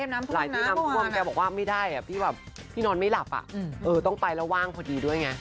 น้ำพร้อมแปลว่าพี่นอนไม่หลับต้องไปแล้วว่างพอดีด้วยไง